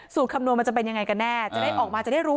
คำนวณมันจะเป็นยังไงกันแน่จะได้ออกมาจะได้รู้